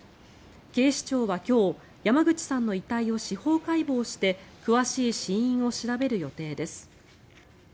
警視庁は今日山口さんの遺体を司法解剖して詳しい死因を調べる予定です。